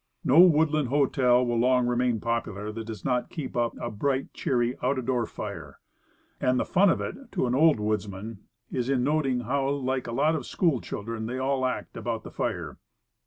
No woodland hotel will long remain popular that does not keep up a bright, cheery, out o' door fire. And the fun of it to an old woodsman is in noting how like a lot of school children they all act about the fire.